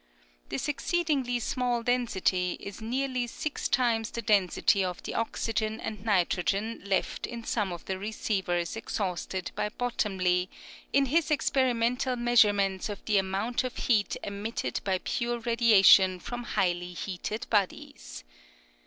This exceedingly small density is nearly six times the density of the oxygen and nitrogen left in some of the receivers exhausted by Bottomley in his experimental measurements of the amount of heat emitted by pure radiation from highly heated bodies.